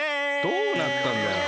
どうなったんだよ！